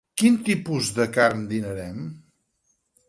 Quin tipus de carn dinarem?